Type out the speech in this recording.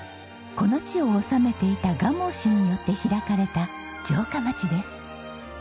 この地を治めていた蒲生氏によって開かれた城下町です。